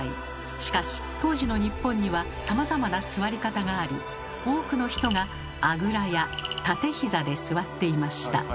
しかし当時の日本にはさまざまな座り方があり多くの人が「あぐら」や「立てひざ」で座っていました。